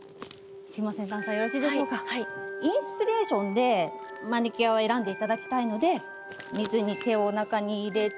インスピレーションでマニキュアを選んでいただきたいので見ずに手を中に入れて。